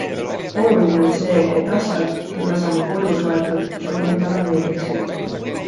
Oluline on see, et asjad, mida sa oma koju soetad, sulle endale meeldiksid.